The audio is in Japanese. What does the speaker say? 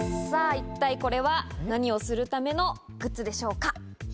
一体これは何をするためのグッズでしょうか？